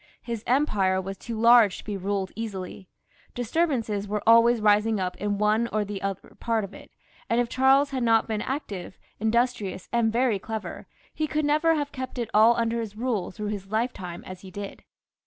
His empire was too large to be ruled easily, disturbances were always rising up in one or another part of it, and if Charles had not been active, industrious, and very clever, he could never have kept it all imder his rule through his lifetime as he did.